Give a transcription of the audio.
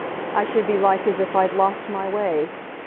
I should be like as if I'd lost my way.